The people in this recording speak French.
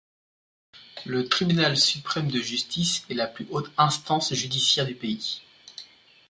Le Tribunal suprême de justice est la plus haute instance judiciaire du pays.